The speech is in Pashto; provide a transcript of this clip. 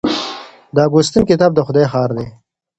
د اګوستین کتاب د خدای ښار دی.